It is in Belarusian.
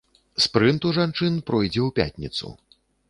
Спрынт у жанчын пройдзе ў пятніцу.